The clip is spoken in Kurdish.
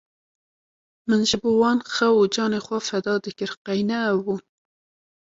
min ji bo wan xew û canê xwe feda dikir qey ne ew bûn.